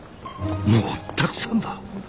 もうたくさんだ。